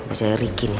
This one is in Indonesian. bersama riki nih